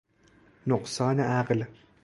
نقصان عقل